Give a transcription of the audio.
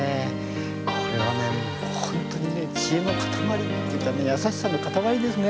これはね、本当にね知恵の塊っていうか優しさの塊ですね。